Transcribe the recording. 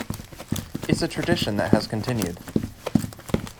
It's a tradition that has continued.